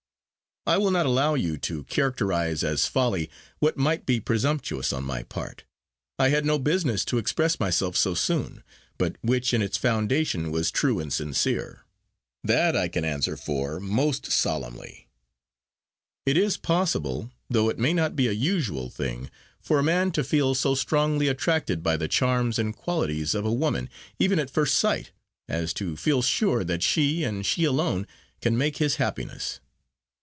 "I will not allow you to characterise as folly what might be presumptuous on my part I had no business to express myself so soon but which in its foundation was true and sincere. That I can answer for most solemnly. It is possible, though it may not be a usual thing, for a man to feel so strongly attracted by the charms and qualities of a woman, even at first sight, as to feel sure that she, and she alone, can make his happiness.